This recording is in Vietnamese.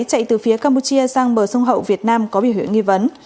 chạy từ phía campuchia sang bờ sông hậu việt nam có bị huyện nghi vấn